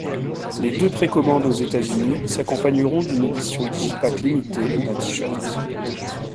Les deux précommandes aux États-Unis s'accompagneront d'une édition digipack limitée ou d'un t-shirt.